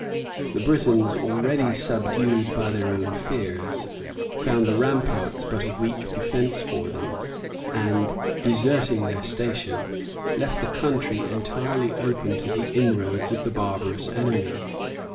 The Britons, already subdued by their own fears, found the ramparts but a weak defence for them; and deserting their station, left the country entirely open to the inroads of the barbarous enemy.